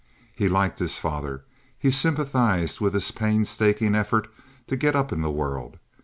He liked his father. He sympathized with his painstaking effort to get up in the world.